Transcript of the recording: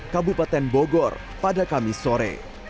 kabupaten bogor pada kamis sore